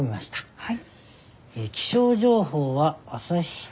はい。